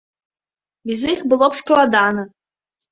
Без іх было б складана.